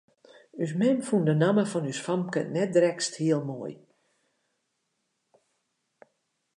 Us mem fûn de namme fan ús famke net drekst hiel moai.